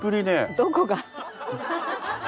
どこが。